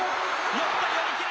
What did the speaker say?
寄った、寄り切り。